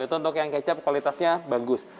itu untuk yang kecap kualitasnya bagus